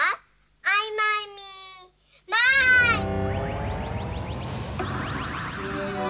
アイマイミーマイン！